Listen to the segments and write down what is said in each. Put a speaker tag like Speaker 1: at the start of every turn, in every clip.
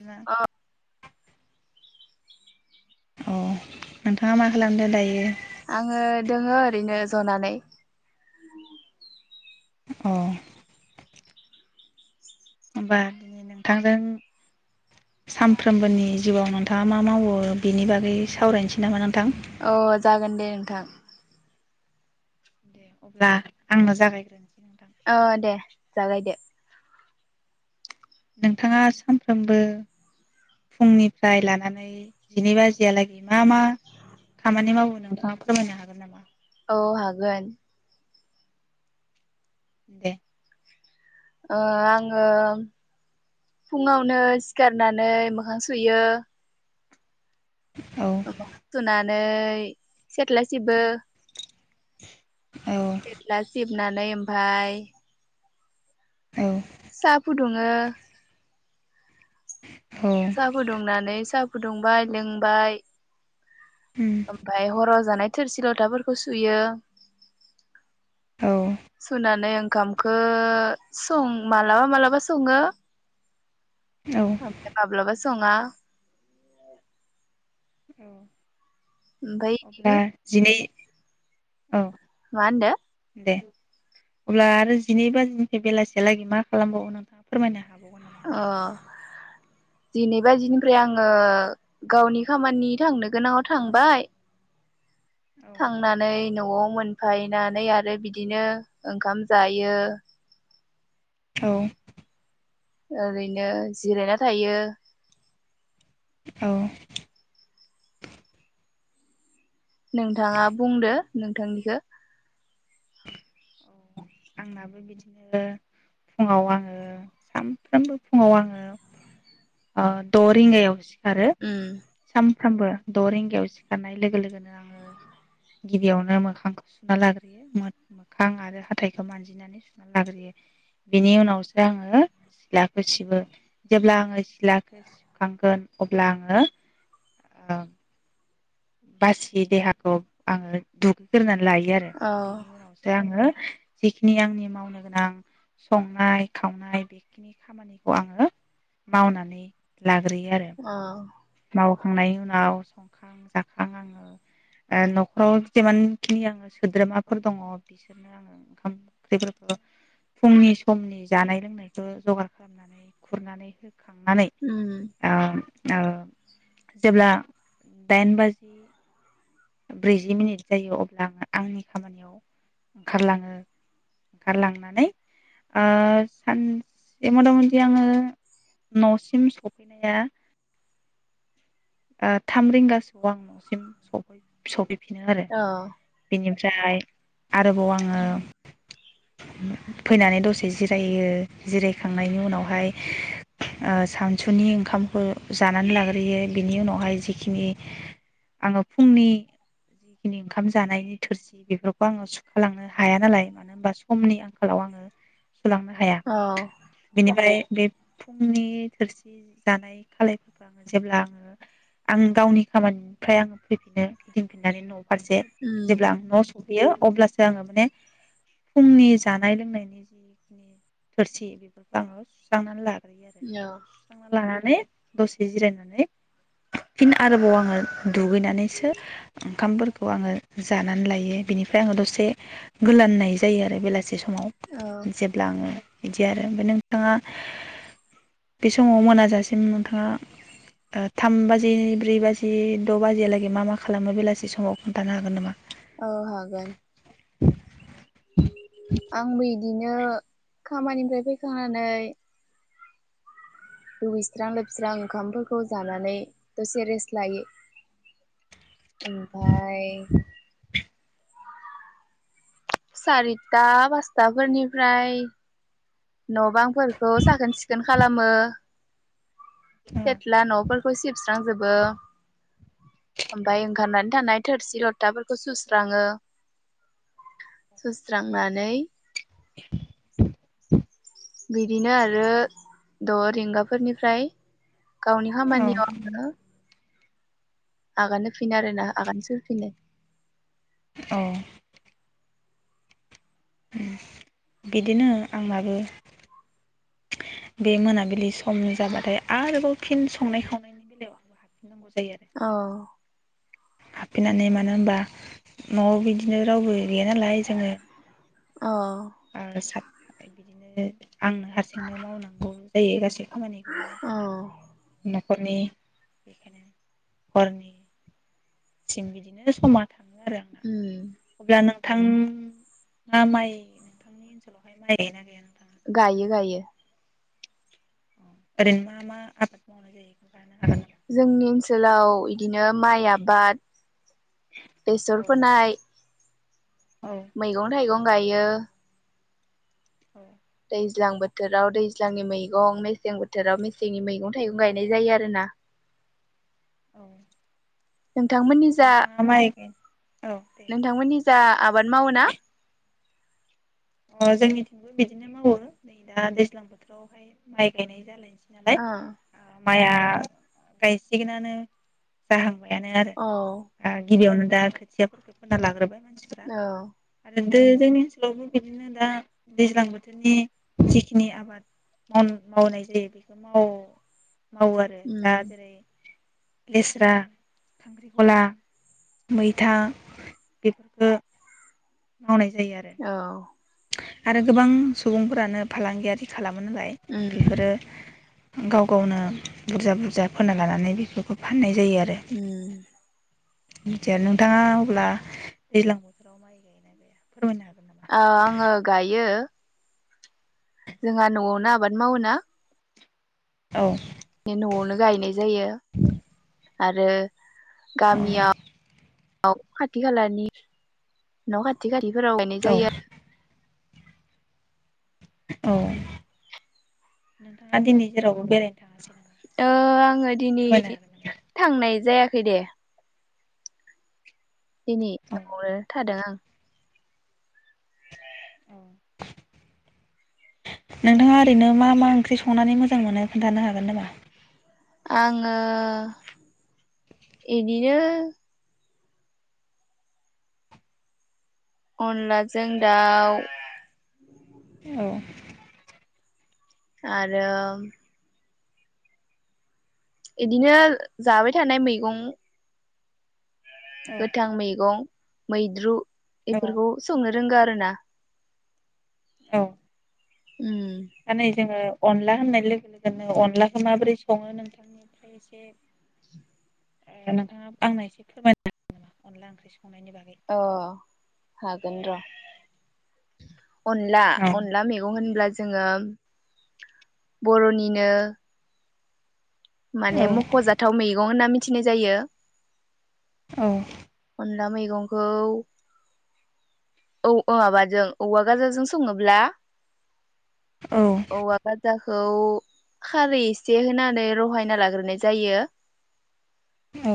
Speaker 1: न अ नोंथाङा मा खालामदों दायो?
Speaker 2: आङो दोङो ओरैनो जनानै
Speaker 1: औ होमबा दिनै नोंथांजों सानफ्रोमबोनि जिउआव नोंथाङा मा मावो बेनि बागै सावरायनोसै नामा नोंथां?
Speaker 2: अ जागोन दे नोंथां
Speaker 1: दे अब्ला आंनो जागायग्रोनोसै नोंथां
Speaker 2: ओह दे जागायदो।
Speaker 1: नोंथाङा सानफ्रोमबो फुंनिफ्राय लानानै जिनै बाजियालागै मा मा खामानि मावो नोंथाङा फोरमायनो हागोन नामा
Speaker 2: औ हागोन
Speaker 1: दे
Speaker 2: ओ आङो फुङावनो सिखारनानै मोखां सुयो
Speaker 1: औ
Speaker 2: [unintelligible] थुना नै सेथ्लासिबो
Speaker 1: [inaudible] औ
Speaker 2: नानै ओमफाय
Speaker 1: औ
Speaker 2: सा फुदुङो
Speaker 1: औ
Speaker 2: साहा फुदुंनानै साह फुदुंबाय लोंबाय
Speaker 1: उम
Speaker 2: ओमफाय हराव जानाय थोरसि लथाफोरखौ सुयो
Speaker 1: औ
Speaker 2: सुनानै ओं ओंखामखो सं मालाबा मालाबा सङो।
Speaker 1: औ
Speaker 2: ओमफाय माब्ला सो सङा ओमफाय
Speaker 1: औ अब्ला
Speaker 2: इदिनो
Speaker 1: जिनै औ
Speaker 2: मा होनदों।
Speaker 1: दे अब्ला आरो जिनै बाजिनिफ्राय बेलासिलागै मा खालामबावो नोंथाङा? फोरमायनो हाबावगोन नामा?
Speaker 2: अ जिनै बाजिनिफ्राय आङो गावनि खामानि थांनो गोनाङाव थांबाय थांनानै नआव मोनफायनानै आरो बिदिनो ओंखाम जायो।
Speaker 1: औ
Speaker 2: ओरैनो जिरायना थायो।
Speaker 1: औ
Speaker 2: नोंथाङा बुंदो नोंथांनिखो
Speaker 1: आंनाबो बिदिनो फुङाव आङो सानफ्रामबो फुङाव आङो। ओ द‌ रिंगायाव सि सिखारो
Speaker 2: उम
Speaker 1: साम सानफ्रामबो द रिंगायाव सिखारनाय लोगो लोगोनो आङो गिबियावनो मोखांखौ सुना लाग्रोयो मोखां आरो हाथायखौ मानजिनानै सुना लाग्रोयो बेनि उनावसो आङो सिलाखौ सिबो जेब्ला आङो सिथ्लाखौ सिुबखांगोन अब्ला आङो। ओ बासि देहाखौ आङो दुगैग्रोनानै लायो आरो
Speaker 2: औ
Speaker 1: बिनि उनावसो आङो। जिखिनि आंनि मावनो गोनां संनाय खावनाय बेखिनि खामानिखौ आङो मावनानै लाग्रोयो आरो।
Speaker 2: औ
Speaker 1: मावखांनायनि उनाव संखां जाखां आङो नखराव जेमानखिनि आङो सोद्रोमाफोर दङ बिसोरनो आङो ओंखाम ओंख्रिफोरखौ फुंनि समनि जानाय लोंनायखौ जगार खालामनानै खुरनानै होयो। खांनानै
Speaker 2: उम
Speaker 1: ओ औ जेब्ला दाइन बाजि ब्रैजि मिनिट जायो अब्ला आङो आंनि खामानियाव ओंखारलाङो ओंखारलांनानै आ सानसे मथा मथि आङो नसिम सफैनाया अ थाम रिंगासोआव आं नसिमै सफै बिनो आरो
Speaker 2: औ
Speaker 1: बिनो ओमफ्राय आरोबाव आङो फैनानै दसे जिरायो जिरायखांनायनि उनावहाय अ सानसुनि ओंखामखौ जानानै लाग्रोयो बिनि उनावहाय जिखिनि आङो फुंनि जिखिनि ओंखाम जानायनि थोरसि बेफोरखौ आङो सोखालांनो हाया नालाय मानो होनबा समनि आंखालाव आङो सोलांनो हाया
Speaker 2: औ
Speaker 1: बिनिफ्राय बे फुंनि थोरसि जानाय खालायफोरखौ आङो जेब्ला आङो आं गावनि खामानिनिफ्राय आङो फैफिनो गिदिंफिननानै नआव फारसे
Speaker 2: उम
Speaker 1: जेब्ला आं न बेयो अब्लासो आङो माने फुंनि जानाय लोंनायनि जिखिनि थोरसि बेफोरखौ आङो सुस्रांनानै लाग लाग्रोयो आरो
Speaker 2: औ
Speaker 1: सुस्रांनानै लानानै दसे जिरायनानै फिन आरोबाव आङो दुगैनानैसो ओंखामफोरखौ आङो जानानै लायो बिनिफ्राय आङो दसे गोलाननाय जायो आरो बेलासि बे
Speaker 2: औ
Speaker 1: समाव जेब्ला आङो बिदि आरो ओमफ्राय नोंथाङा बे समाव मोनाजासिम नोंथाङा थाम बाजि ब्रै बाजि द बाजियालागै मा मा खालामो बेलासि समाव खोनथानो हागोन नामा
Speaker 2: औ हागोन
Speaker 1: [inaudible]
Speaker 2: आंबो बिदिनो खामानिनिफ्राय फैखांनानै दुगैस्रां लोबस्रां ओंखामफोरखौ जानानै दसे रेस्ट लायो। ओमफाय सारिता पासताफोरनिफ्राय न बांफोरखौ साखोन सिखोन खालामो सेथ्ला नफोरखौ सिबस्रांजोबो ओमफाय ओंखारनानै थानाय थोरसि लथाफोरखौ सुस्राङो सुस्रांनानै
Speaker 1: [inaudible]
Speaker 2: बिदिनो आरो द रिेंगाफोरनिफ्राय गावनि
Speaker 1: औ
Speaker 2: खामानियाव आङो आगान होफिनो आरोना आगान सोरफिनो
Speaker 1: औ उ बिदिनो आंनाबो बे मोनाबिलि समनि जाबाथाय आरोबाव फिन संनाय खावनायनि
Speaker 2: औ
Speaker 1: हाबफैनानै मानो होनबा न'आव बिदिनो रावबो गैया नालाय जोङो
Speaker 2: अ
Speaker 1: [unintelligible] बिदि बिदिनो आंनो हारसिंनो मावनांगौ जायो गासै खामानिखौनो
Speaker 2: अ
Speaker 1: हरनि बेखायनो हरनि सिम बिदिनो समान थाङो आरो आंना
Speaker 2: उम
Speaker 1: अब्ला नों थां-ङा माइ नोंथांनि ओनसोलावहाय माइ गायो ना गाया
Speaker 2: गायो गायो
Speaker 1: औ ओरैनो मा मा आबाद मावनाय जायो खोनथानो हागोन नामा
Speaker 2: जोंनि ओनसोलाव इदिनो माइ आबाद बेसर फोनाय
Speaker 1: औ
Speaker 2: मैगं थाइगं गायो
Speaker 1: अ
Speaker 2: दैज्लां बोथोराव दैज्लांनि मैगं मेसें बोथोराव मेसेंनि मैगं थाइगं गायनाय जायो आरोना
Speaker 1: औ
Speaker 2: नोंथांमोननि जा
Speaker 1: नोंथाङा माइ औ दे
Speaker 2: नोंथांमोननि जा आबाद मावो ना
Speaker 1: अ जोंनिथिंबो बिदिनो मावो नै दा दैज्लां बोथोरावहाय माइ गायनाय जालाय
Speaker 2: अ
Speaker 1: माइआ गायसिगोनानो जाहां माबायानो आरो
Speaker 2: औ
Speaker 1: ओ गिबियावनो दा खोथियाफोरखो फोना लाग्रोबाय मानसिफ्रा
Speaker 2: औ
Speaker 1: आरो दे जोंनि ओनसोलावबो बिदिनो दा दैज्लां बोथोरनि जिखिनि आबाद माव मावनाय जायो बेखौ माव मावो आरो जा
Speaker 2: उम
Speaker 1: जेरै लेस्रा खांख्रिखला मैथा बेफोरखो मावनाय जायो आरो
Speaker 2: औ
Speaker 1: आरो गोबां सुबुंफोरानो फालांगियारि खाला मोनालाय
Speaker 2: उम
Speaker 1: बेफोरो गाव गावनो बुरजा बुरजा फोना लानानै बेफोरखौ फाननाय
Speaker 2: उम
Speaker 1: मिथिया नोंथाङा अब्ला दैज्लां बोथोराव माइ गायोना गा फोरमायनो हागोन
Speaker 2: आ आङो गायो जोंहा न'आवनो आबाद मावो ना
Speaker 1: औ
Speaker 2: गायनाय जायो आरो गामिया न खाथि खालानि न खाथि खाथि [inaudible]
Speaker 1: औ
Speaker 2: जायो आरो।
Speaker 1: औ नोंथाङा दिनै जेरावबो बेरायनो थाङासै नामा
Speaker 2: आरो ओ आङो दिनै
Speaker 1: फोरमायनो हागोन नामा
Speaker 2: थांनाय जायाखै दे। दिनै
Speaker 1: औ
Speaker 2: न आवनो थादों आं
Speaker 1: अ नोंथाङा ओरैनो मा मा ओंख्रि संनानै मोजां मोनो खोन्थानो हागोन नामा
Speaker 2: आङो इदिनो अनलाजों दाउ
Speaker 1: औ
Speaker 2: आरो इदिनो जाबाय थानाय मैगं
Speaker 1: औ
Speaker 2: गोथां मैगं मैद्रु
Speaker 1: औ
Speaker 2: एफोरखौ संनो दोंगो आरोना
Speaker 1: औ
Speaker 2: उम
Speaker 1: दा नै जोंङो अनला होननाय लोगो लोगोनो अनलाखौ माबोरै सङो नोंथांनिफ्राय एसे ओ नोंथाङा आंनो एसे फोरमायना हागोन नामा अनला ओंख्रि संनो
Speaker 2: अ हागोन र' अनला
Speaker 1: औ
Speaker 2: अनला मेगं होनब्ला जोङो बरनिनो
Speaker 1: औ
Speaker 2: माने मखजाथाव मैगं होन्ना मि मिथिनाय जायो।
Speaker 1: औ
Speaker 2: अनला मैगंखौ औ माबाजों औवा गाजाजों सङोब्ला
Speaker 1: औ
Speaker 2: औवा गाजाखौ खौ खारै एसे होनानै लहायना लाग्रोनाय जायो
Speaker 1: औ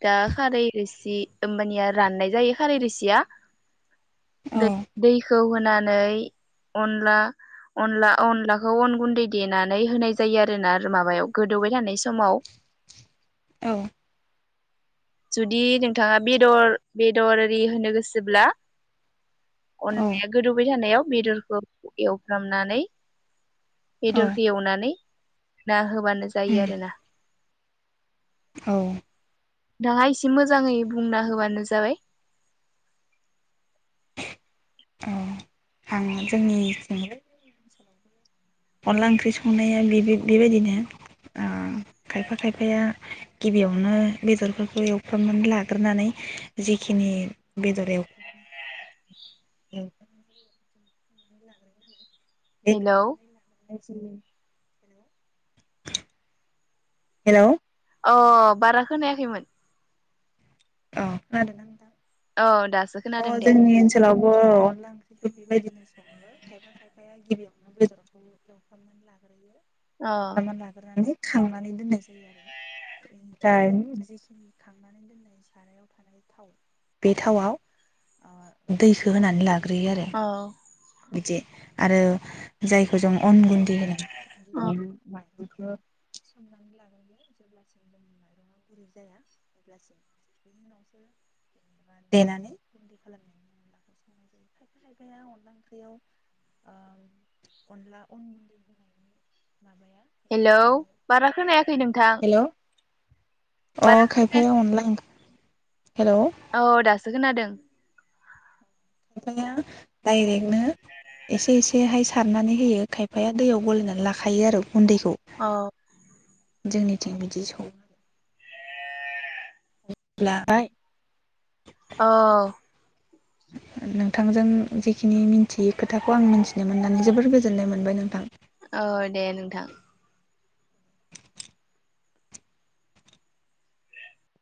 Speaker 2: दा खारै रोसि ओमबानिया राननाय जायो खारै रोसिया
Speaker 1: औ
Speaker 2: दै-दैख खौ होनानै अनला-अनला-अनलाखौ अन गुन्दै देनानै होनाय जायो आरोना रो माबायाव गोदौबाय थानाय समाव
Speaker 1: औ
Speaker 2: जुदि नोंथाङा बेदर बेदर एरि होनो गोसोब्ला
Speaker 1: औ
Speaker 2: अननाया गोदौबाय थानायाव बेदरखौ एवफ्रामनानै
Speaker 1: औ
Speaker 2: बेदरखो एवनानै ना होबानो जायो आरो ना
Speaker 1: औ
Speaker 2: दाहा इसे मोजाङै बुंना होबानो जाबाय
Speaker 1: हां जोंनि थिंबो [inaudible] ओनसोलावबो अनला ओंख्रि संनाया बे-बे- बेबायदिनो ओ खायफा खायफाया गिबियावनो बेदरफोरखौ एवफ्रामनानै लाग्रोनानै जिखिनि बेदर एव
Speaker 2: हेलौ
Speaker 1: आयसै हेलौ
Speaker 2: अ बारा खोनायाखैमोन
Speaker 1: अ खोनादोंना नोंथां
Speaker 2: अ दा
Speaker 1: अ जोंनि ओनसोलावबो अनला ओंख्रिखौ बेबायदि सं [unintelligible]
Speaker 2: अ
Speaker 1: एवफ्रामना लाग्रोनानै खांनानै दोननाय जायो बेनिफ्राय जेखिनि खांनानै दोननाय सारायाव थानाय थाव बे थावाव ओ दैखो होनानै लागोन ग्रोयो आरो
Speaker 2: अ
Speaker 1: बिदि आरो जायखो जों अन गुन्दै होन
Speaker 2: अ
Speaker 1: बिख्लो संनानै लाग्रोयो जो [unintelligible] जेनेबा देनानै गुन्दै खालामो खायफा खायफाया अनला ओंख्रियाव ओ अनला अन गुन्दै होनायनि माबाया
Speaker 2: हेलौ बारा खोनायाखै नोंथां
Speaker 1: हेल' अ
Speaker 2: बारा
Speaker 1: खायफाया
Speaker 2: खोनायाखै
Speaker 1: अनला ओंख
Speaker 2: औ दासो खोनादों [inaudible]
Speaker 1: खायफाया डाइरेक्टनो एसे एसेहाय सारनानै होयो खायफाया दैयाव गलायनानै लाखायो आरो गुन्दैखौ
Speaker 2: औ
Speaker 1: जोंनिथिं बिदि सङो आरो ला बाय
Speaker 2: अ
Speaker 1: नोंथांजों जिखिनि मिथियै खोथाखौ आं मिथिनो मोननानै जोबोर गोजोननाय मोनबाय नोंथां
Speaker 2: औ दे नोंथां